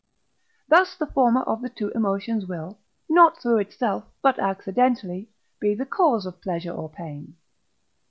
Thus the former of the two emotions will, not through itself, but accidentally, be the cause of pleasure or pain.